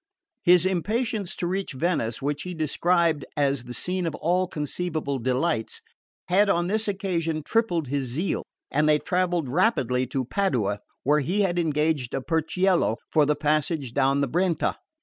His impatience to reach Venice, which he described as the scene of all conceivable delights, had on this occasion tripled his zeal, and they travelled rapidly to Padua, where he had engaged a burchiello for the passage down the Brenta.